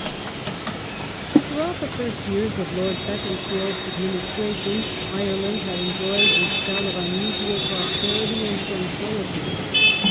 The Irish Throughout the first years of Lord Beaconsfield's administration th^ T^ °^ Ireland had enjoyed a spell of unusual prosperity and tranquillity.